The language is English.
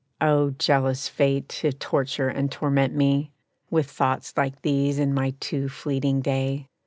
Oh, jealous Fate, to torture and torment me With thoughts like these in my too fleeting day!